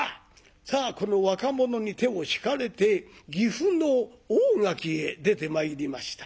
さあこの若者に手を引かれて岐阜の大垣へ出てまいりました。